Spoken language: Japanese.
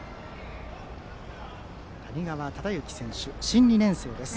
谷川忠幸選手は新２年生です。